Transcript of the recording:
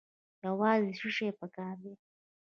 یوازې څه شی پکار دی؟